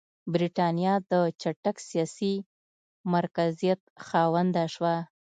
برېټانیا د چټک سیاسي مرکزیت خاونده شوه.